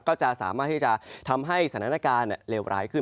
ก็จะสามารถที่จะทำให้สถานการณ์เลวร้ายขึ้น